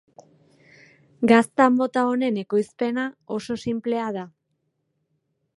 Gazta mota honen ekoizpena oso sinplea da.